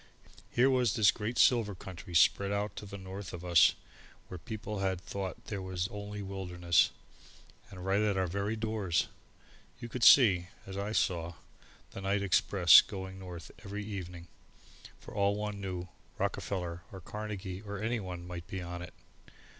Here was this great silver country spread out to north of us, where people had thought there was only a wilderness. And right at our very doors! You could see, as I saw, the night express going north every evening; for all one knew Rockefeller or Carnegie or anyone might be on it!